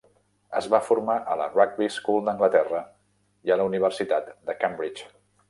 Es va formar a la Rugby School d'Anglaterra i a la Universitat de Cambridge.